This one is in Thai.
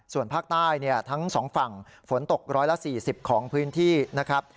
ส่วนภาคใต้ทั้งสองฝั่งฝนตก๑๔๐ของพื้นที่นะครับ